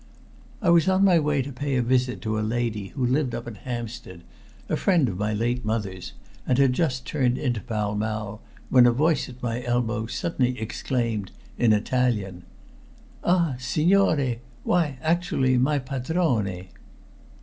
I was on my way to pay a visit to a lady who lived up at Hampstead, a friend of my late mother's, and had just turned into Pall Mall, when a voice at my elbow suddenly exclaimed in Italian "Ah, signore! why, actually, my padrone!"